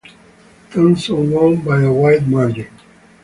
Thompson won by a wide margin.